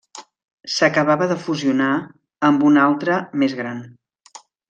S'acabava de fusionar amb una altra més gran.